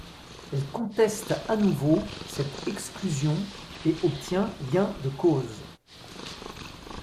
Elle conteste à nouveau cette exclusion et obtient gain de cause.